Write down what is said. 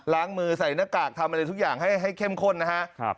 มือใส่หน้ากากทำอะไรทุกอย่างให้เข้มข้นนะครับ